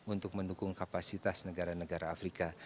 untuk mendukung kapasitas negara negara afrika